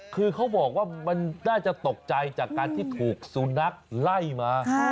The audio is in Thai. คือเขาบอกว่ามันน่าจะตกใจจากการที่ถูกสุนัขไล่มา